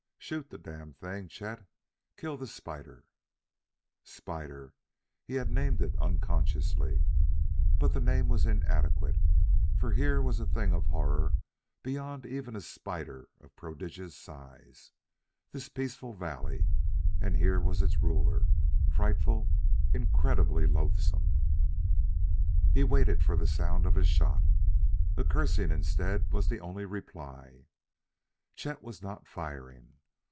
"Shoot the damned thing, Chet! Kill the spider!" Spider! He had named it unconsciously. But the name was inadequate, for here was a thing of horror beyond even a spider of prodigious size. This peaceful valley! and here was its ruler, frightful, incredibly loathsome! He waited for the sound of a shot. A cursing, instead, was the only reply: Chet was not firing!